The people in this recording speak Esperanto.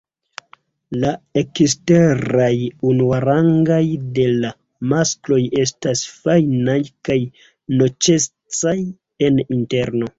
La eksteraj unuarangaj de la maskloj estas fajnaj kaj noĉecaj en interno.